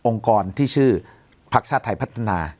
กรที่ชื่อพักชาติไทยพัฒนา